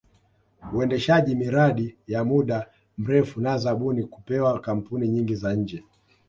Uendeshaji miradi ya muda mrefu na zabuni kupewa kampuni nyingi za nje